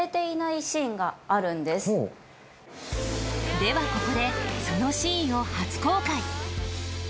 ではここでそのシーンを初公開。